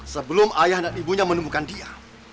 sebelum ayah dan ibunya menemukan dia